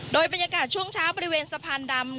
โดยบรรยากาศช่วงเช้าบริเวณสะพานดำ